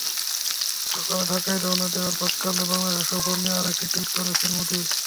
সকালে ঢাকায় রওনা দেওয়ার প্রাক্কালে বাংলাদেশ সফর নিয়ে আরেকটি টুইট করেন মোদি।